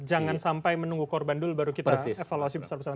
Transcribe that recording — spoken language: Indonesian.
jangan sampai menunggu korban dulu baru kita evaluasi besar besar